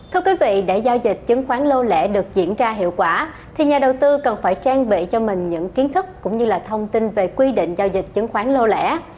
thưa quý vị để giao dịch chứng khoán lâu lễ được diễn ra hiệu quả thì nhà đầu tư cần phải trang bị cho mình những kiến thức cũng như là thông tin về quy định giao dịch chứng khoán lô lẻ